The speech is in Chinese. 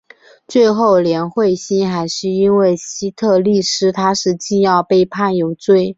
最后连惠心还是因为西替利司他是禁药被判有罪。